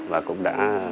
và cũng đã